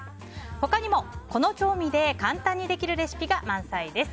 他にも、この調味で簡単にできるレシピが満載です。